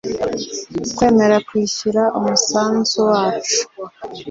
kwemera kwishyura umusanzu wacu